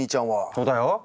そうだよ。